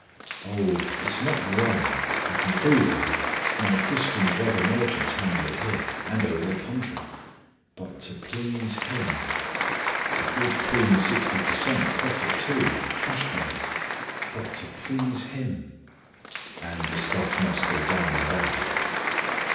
Oh, it is not wrong: I can prove that. My Christian brother merchants handle it here, and over the country: but to please Him: a good, clean sixty per cent, profit too, cash money, but to please Him " and the stuff must go down and out.